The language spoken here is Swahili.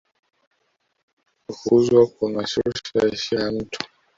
kufukuzwa kunashusha heshima ya mtu